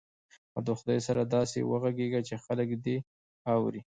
او د خدای سره داسې وغږېږه چې خلک دې اوري.